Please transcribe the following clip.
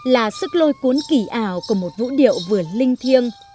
là sức lôi cuốn kỳ ảo của một vũ điệu vừa linh thiêng